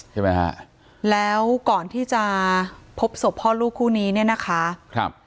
ใช่ไหมฮะแล้วก่อนที่จะพบศพพ่อลูกคู่นี้เนี่ยนะคะครับ